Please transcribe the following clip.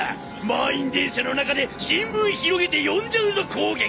満員電車の中で新聞広げて読んじゃうぞ攻撃。